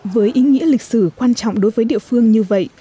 với ý nghĩa lịch sử quan trọng đối với địa phương như vậy